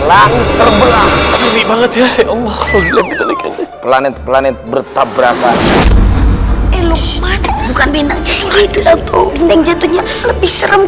langit terbelakang banget ya allah planet planet bertabrakan bukan bintang jatuhnya lebih serem